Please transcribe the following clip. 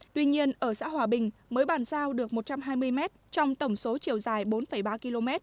tuy nhiên ở xã hòa bình mới bàn giao được một trăm hai mươi m trong tổng số chiều dài bốn ba km